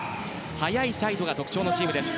速いサイドが特徴のチームです。